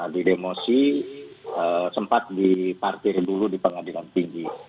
di demosi sempat diparkir dulu di pengadilan tinggi